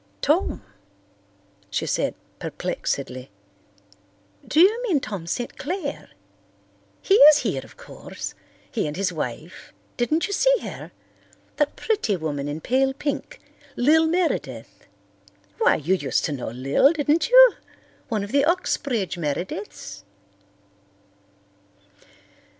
"Tom?" she said perplexedly. "Do you mean Tom St. Clair? He is here, of course, he and his wife. Didn't you see her? That pretty woman in pale pink, Lil Meredith. Why, you used to know Lil, didn't you? One of the Uxbridge Merediths?"